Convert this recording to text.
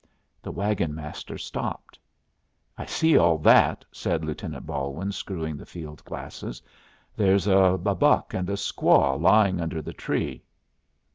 The wagon master stopped. "I see all that," said Lieutenant Balwin, screwing the field glasses. "There's a buck and a squaw lying under the tree."